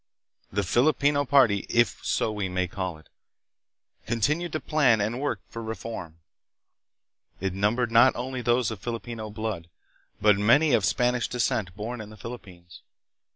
The Filipino party, if so we may call it, continued to plan and work for reform. It numbered not only those of Filipino blood, but many of Spanish descent, born in the Philippines.